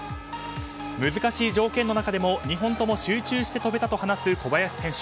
難しい条件の中でも２本とも集中して跳べたと話す小林選手。